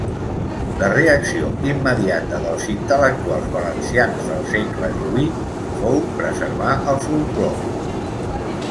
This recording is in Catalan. La reacció immediata dels intel·lectuals valencians del segle díhuit fou preservar el folklore.